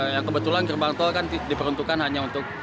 yang kebetulan gerbang tol kan diperuntukkan hanya untuk